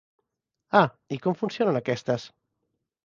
Ah i com funcionen aquestes?